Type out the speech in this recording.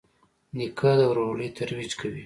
نیکه د ورورولۍ ترویج کوي.